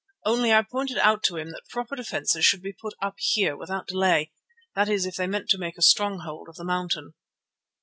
Only I pointed out to him that proper defences should be put up here without delay, that is if they meant to make a stronghold of the mountain.